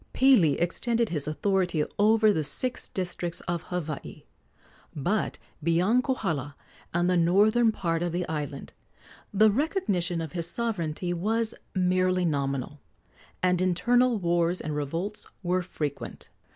Pili extended his authority over the six districts of Hawaii; but beyond Kohala and the northern part of the island the recognition of his sovereignty was merely nominal, and internal wars and revolts were frequent.